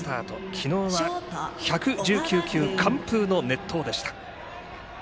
昨日は１１９球完封の熱投でした。